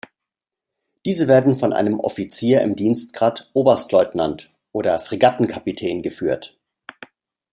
Diese werden von einem Offizier im Dienstgrad Oberstleutnant oder Fregattenkapitän geführt.